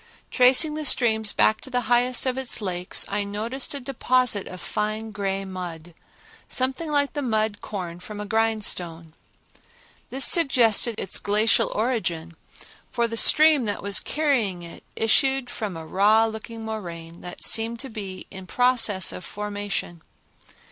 Tracing the streams back to the highest of its little lakes, I noticed a deposit of fine gray mud, something like the mud corn from a grindstone. This suggested its glacial origin, for the stream that was carrying it issued from a raw looking moraine that seemed to be in process of formation.